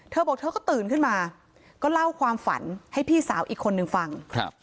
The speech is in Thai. เธอบอกเธอก็ตื่นขึ้นมาก็เล่าความฝันให้พี่สาวอีกคนนึงฟัง